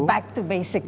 lari dari dasar